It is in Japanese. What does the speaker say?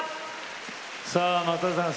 さあ松平さん